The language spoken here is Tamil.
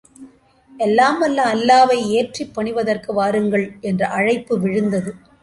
எல்லாம் வல்ல அல்லாவை ஏற்றிப் பணிவதற்கு வாருங்கள்! என்ற அழைப்பு விழுந்தது.